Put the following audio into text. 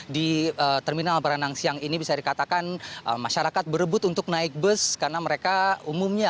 di terminal berenang siang ini bisa dikatakan masyarakat berebut untuk naik bus karena mereka umumnya